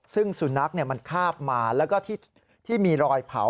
ซึ่งสุนัขมันคาบมาแล้วก็ที่มีรอยเผา